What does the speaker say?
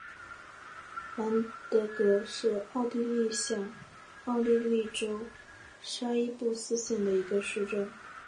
兰德格是奥地利下奥地利州沙伊布斯县的一个市镇。